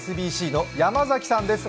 ＳＢＣの山崎さんです。